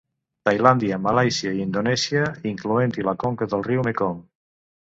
Tailàndia, Malàisia i Indonèsia, incloent-hi la conca del riu Mekong.